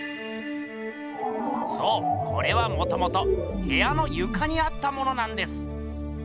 そうこれはもともとへやのゆかにあったものなんです。